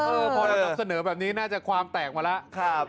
พอเรานำเสนอแบบนี้น่าจะความแตกมาแล้ว